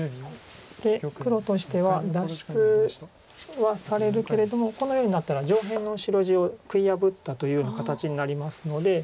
で黒としては脱出はされるけれどもこのようになったら上辺の白地を食い破ったというような形になりますので。